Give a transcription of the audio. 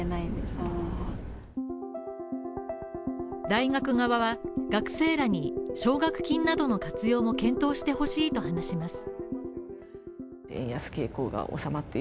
大学側は学生らに奨学金などの活用も検討してほしいと話します。